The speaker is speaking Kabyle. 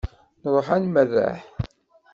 Nruḥ ad nmerreḥ.